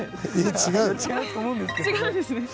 違うと思うんですけどね。